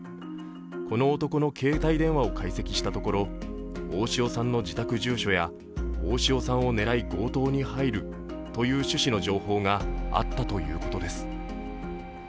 この男の携帯電話を解析したところ、大塩さんの自宅住所や大塩さんを狙い強盗に入るという趣旨の情報があったということです。